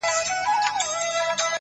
• و ذهن ته دي بيا د بنگړو شرنگ در اچوم؛